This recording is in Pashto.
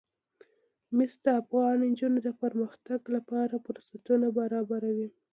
مس د افغان نجونو د پرمختګ لپاره فرصتونه برابروي.